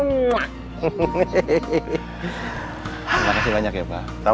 terima kasih banyak ya pak